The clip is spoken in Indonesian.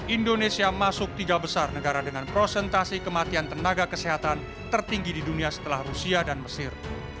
indonesia masuk tiga besar negara dengan prosentasi kematian tenaga kesehatan tertinggi di dunia setelah rusia dan mesir